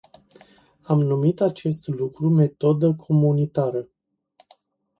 Am numit acest lucru metodă comunitară.